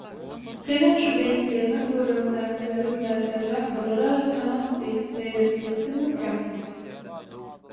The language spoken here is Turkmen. Senem şu beýikligiňe töweregiňdäkileri günäkärläp, “bulara ösenok” diýip zeýrenip ýetdiňmikäň?